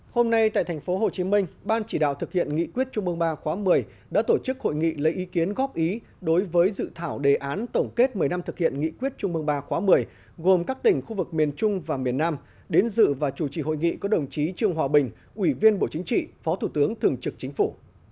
hôm nay tại tp hcm ban chỉ đạo thực hiện nghị quyết trung mương ba khóa một mươi đã tổ chức hội nghị lấy ý kiến góp ý đối với dự thảo đề án tổng kết một mươi năm thực hiện nghị quyết trung mương ba khóa một mươi gồm các tỉnh khu vực miền trung và miền nam đến dự và chủ trì hội nghị có đồng chí trương hòa bình ủy viên bộ chính trị phó thủ tướng thường trực chính phủ